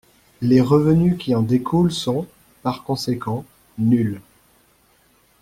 Les revenus qui en découlent sont, par conséquent, nuls.